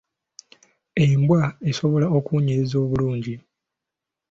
Embwa esobola okuwunyiriza obulungi.